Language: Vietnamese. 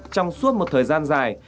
trong suốt một thời gian dài